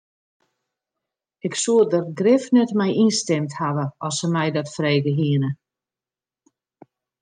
Ik soe der grif net mei ynstimd hawwe as se my dat frege hiene.